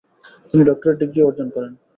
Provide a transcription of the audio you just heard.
তিনি ডক্টরেট ডিগ্রিও অর্জন করেন।